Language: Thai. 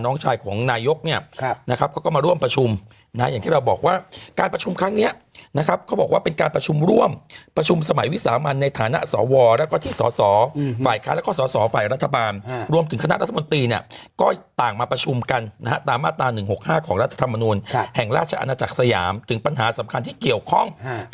นะอย่างที่เราบอกว่าการประชุมครั้งเนี้ยนะครับเขาบอกว่าเป็นการประชุมร่วมประชุมสมัยวิสามัญในฐานะสอวรแล้วก็ที่สอสอฝ่ายค้าแล้วก็สอสอฝ่ายรัฐบาลรวมถึงคณะรัฐมนตรีเนี้ยก็ต่างมาประชุมกันนะฮะตามมาตราหนึ่งหกห้าของรัฐธรรมนุนแห่งราชอาณาจักรสยามถึงปัญหาสำคัญที่เกี่ยวข้อง